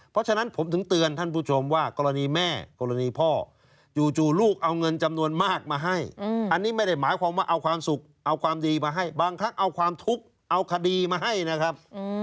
เพราะฉะนั้นผมถึงเตือนท่านผู้ชมว่ากรณีแม่กรณีพ่อจู่ลูกเอาเงินจำนวนมากมาให้อันนี้ไม่ได้หมายความว่าเอาความสุขเอาความดีมาให้บางครั้งเอาความทุกข์เอาคดีมาให้นะครับ